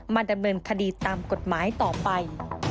ดำเนินคดีตามกฎหมายต่อไป